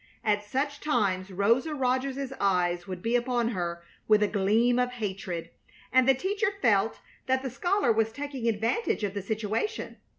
At such times Rosa Rogers's eyes would be upon her with a gleam of hatred, and the teacher felt that the scholar was taking advantage of the situation.